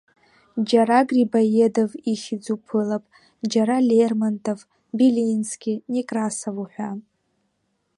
Џьара грибоедов ихьӡ уԥылап, џьара Лермонтов, Белински, Некрасов уҳәа.